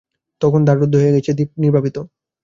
তখন দ্বার রুদ্ধ হইয়া গিয়াছে, দীপ নির্বাপিত।